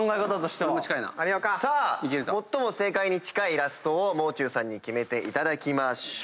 さあ最も正解に近いイラストをもう中さんに決めていただきます。